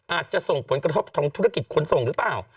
อาจจะส่งผลกระทบทางธุรกิจขนส่งหรือเปล่า